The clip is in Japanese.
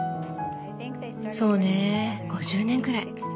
そうね５０年くらい。